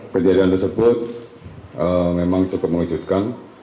kejadian tersebut memang cukup mengejutkan